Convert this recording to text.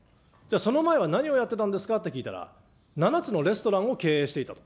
その前は何をやってたんですかって聞いたら、７つのレストランを経営していたと。